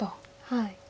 はい。